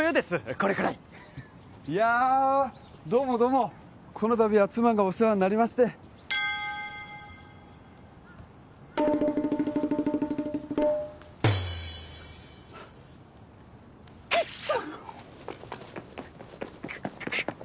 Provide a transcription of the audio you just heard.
これくらいいやどうもどうもこのたびは妻がお世話になりましてクッソ！